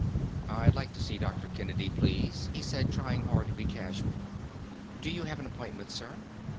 "I'd like to see Dr. Kennedy, please," he said, trying hard to be casual. "Do you have an appointment, sir?"